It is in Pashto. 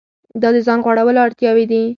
دا د ځان غوړولو اړتیاوې دي.